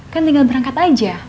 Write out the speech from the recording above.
kan tinggal berangkat aja